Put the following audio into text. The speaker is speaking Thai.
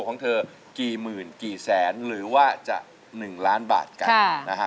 ของเธอกี่หมื่นกี่แสนหรือว่าจะ๑ล้านบาทกันนะฮะ